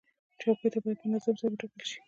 چوکۍ ته باید منظم ځای وټاکل شي.